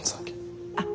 あっ。